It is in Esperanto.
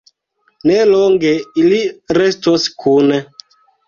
Ne longe ili restos kune.